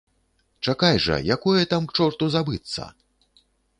Чакай жа, якое там к чорту забыцца!